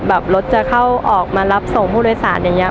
รถจะเข้าออกมารับส่งผู้โดยสารอย่างนี้